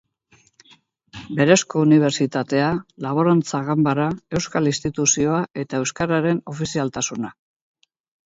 Berezko unibertsitatea, Laborantza Ganbara, Euskal Instituzioa eta euskararen ofizialtasuna.